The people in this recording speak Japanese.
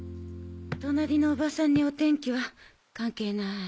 隣のおばさんにお天気は関係ない。